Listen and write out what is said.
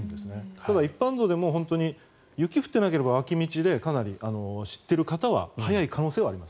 ただ、一般道でも雪が降っていなければ脇道で知っている方は早い可能性があります。